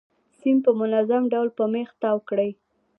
سیم په منظم ډول په میخ تاو کړئ.